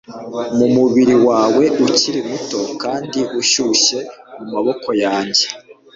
numubiri wawe ukiri muto kandi ushyushye mumaboko yanjye